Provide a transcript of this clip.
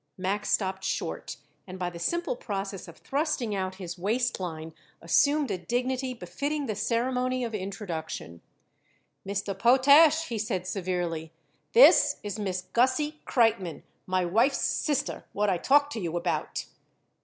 Max stopped short, and by the simple process of thrusting out his waist line assumed a dignity befitting the ceremony of introduction. "Mr. Potash," he said severely, "this is Miss Gussie Kreitmann, my wife's sister, what I talked to you about."